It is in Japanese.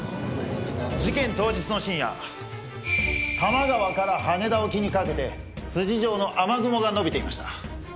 事件当日の深夜多摩川から羽田沖にかけて筋状の雨雲が伸びていました。